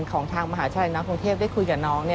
ของทางมหาวิทยาลัยน้องกรุงเทพฯได้คุยกับน้อง